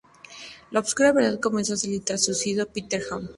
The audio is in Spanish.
La oscura verdad comenzó a salir tras el suicidio de Peter Ham.